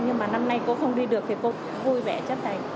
nhưng mà năm nay cô không đi được thì cô vui vẻ chất này